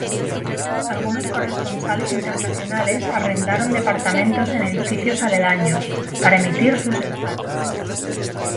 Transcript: Algunos corresponsales internacionales arrendaron departamentos en edificios aledaños, para emitir sus despachos.